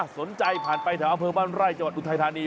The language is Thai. สนใจผ่านไปถามเพิ่มบ้านไล่จังหวัดอุทัยธานี